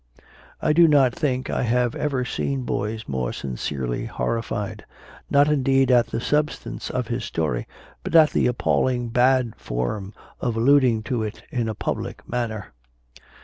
I do not think I have ever seen boys more sincerely horrified not indeed at the substance of his story, but at the appalling "bad form" of alluding to it in a public manner.